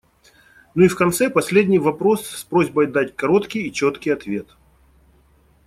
Ну и в конце - последний вопрос с просьбой дать короткий и четкий ответ.